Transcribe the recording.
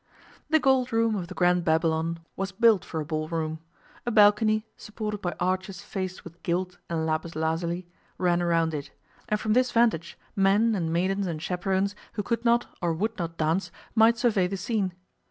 The Gold Room of the Grand Babylon was built for a ballroom. A balcony, supported by arches faced with gilt and lapis lazulo, ran around it, and from this vantage men and maidens and chaperons who could not or would not dance might survey the scene.